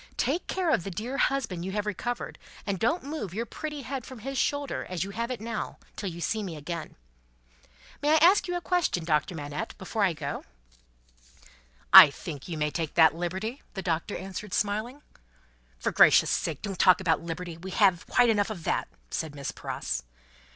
Take care of the dear husband you have recovered, and don't move your pretty head from his shoulder as you have it now, till you see me again! May I ask a question, Doctor Manette, before I go?" "I think you may take that liberty," the Doctor answered, smiling. "For gracious sake, don't talk about Liberty; we have quite enough of that," said Miss Pross.